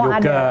terus juga yoga